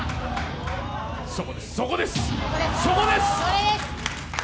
そこです、そこです！